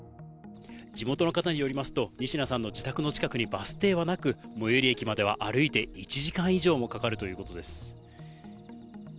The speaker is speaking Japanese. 地元の方によりますと、仁科さんの自宅の近くにバス停はなく、最寄り駅までは歩いて１時間以上もかかるということです。